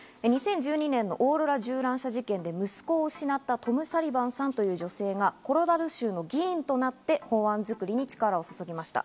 ２０１２年のオーロラ銃乱射事件で息子を失ったトム・サリバンさんという女性が、コロラド州の議員となって、法案作りに力を注ぎました。